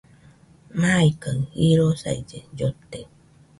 Maikaɨ jirosaille llote